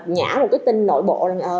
nhả một cái tin nội bộ